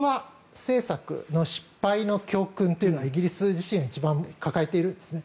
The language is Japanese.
あともう１つは融和政策の失敗の教訓というのはイギリス自身が一番抱えているんですね。